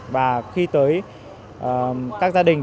và khi tới các gia đình